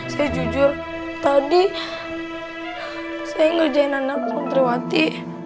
saya jujur tadi saya ngerjain anak putriwati